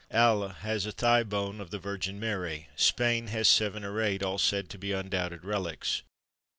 Halle has a thigh bone of the Virgin Mary; Spain has seven or eight, all said to be undoubted relics.